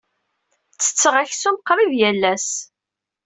Ttetteɣ aksum qrib yal ass.